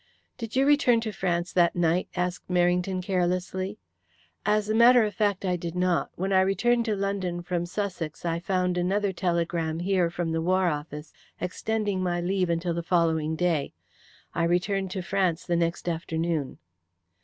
"Did you return to France that night?" asked Merrington carelessly. "As a matter of fact, I did not. When I returned to London from Sussex I found another telegram here from the War Office extending my leave until the following day. I returned to France the next afternoon."